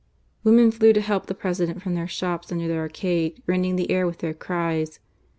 " Women flew to help the President from their shops under the arcade, rending the air with their cries. !